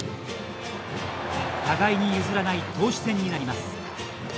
互いに譲らない投手戦になります。